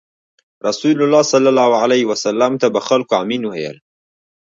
رسول الله ﷺ ته به خلکو “امین” ویل.